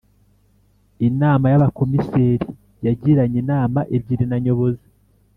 Inama y’Abakomiseri yagiranye inama ebyiri na Nyobozi